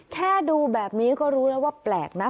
แค่ดูแบบนี้ก็รู้แล้วว่าแปลกนะ